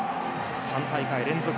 ３大会連続